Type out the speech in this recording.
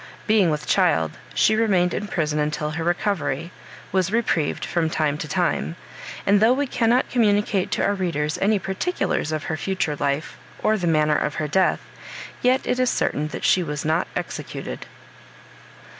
Being with child, she remained in prison until her recovery, was reprieved from time to time, and though we cannot communicate to our readers any particulars of her future life, or the manner of her death, yet it is certain that she was not executed.